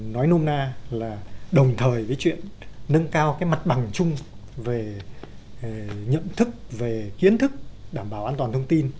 nói nôm na là đồng thời với chuyện nâng cao cái mặt bằng chung về nhận thức về kiến thức đảm bảo an toàn thông tin